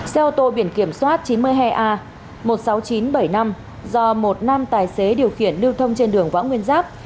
xe ô tô biển kiểm soát chín mươi hai a một mươi sáu nghìn chín trăm bảy mươi năm do một nam tài xế điều khiển lưu thông trên đường võ nguyên giáp